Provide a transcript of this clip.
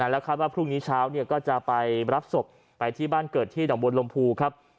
แล้วคาดว่าพรุ่งนี้เช้าก็จะไปรับศพไปที่บ้านเกิดที่หนองบวนลมภูครับ